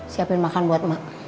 siapin makan buat emak